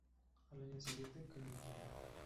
Al año siguiente, cayó enferma.